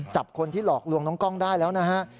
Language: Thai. จับคนที่หลอกลวงน้องกล้องได้แล้วนะฮะ